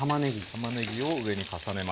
たまねぎを上に重ねます。